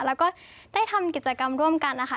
แล้วก็ได้ทำกิจกรรมร่วมกันนะคะ